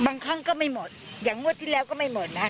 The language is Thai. ครั้งก็ไม่หมดอย่างงวดที่แล้วก็ไม่หมดนะครับ